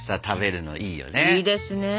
いいですね。